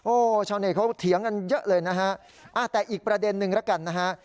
โอ้โหชาวเน็ตเขาเถียงกันเยอะเลยนะฮะแต่อีกประเด็นนึงแล้วกันนะฮะ